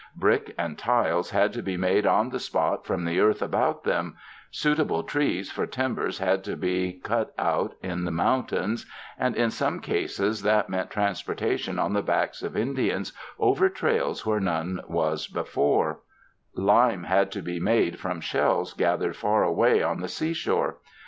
Brick and tiles had to be made on the spot from the earth about them; suitable trees for timbers had to be cut out in the mountains— and in some cases that meant transportation on the backs of Indians over trails where none was before; lime had to be made from shells gathered far away on the sea shore.